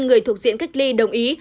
người thuộc diện cách ly đồng ý